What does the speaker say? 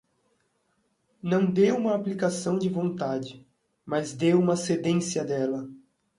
não de uma aplicação de vontade, mas de uma cedência dela.